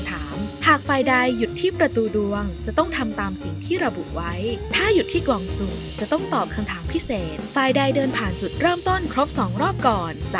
ถ้าใครได้ตัวเลขมากกว่าจะเป็นผู้เดินก่อนค่ะ